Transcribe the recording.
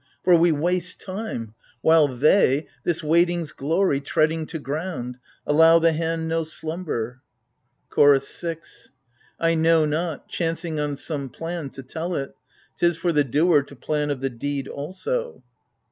For we waste time ; while they, — this waiting's glory Treading to ground, — allow the hand no slumber. CHOROS 6. I know not — chancing on some plan — to tell it : 'T is for the doer to plan of the deed also.